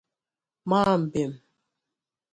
maa mbem